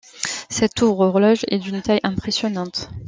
Cette tour-horloge est d'une taille impressionnante.